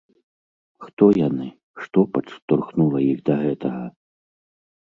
Хто яны, што падштурхнула іх да гэтага?